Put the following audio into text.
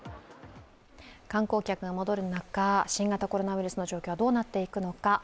観光客が戻る中、新型コロナウイルスの状況はどうなっていくのか。